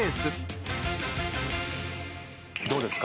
どうですか？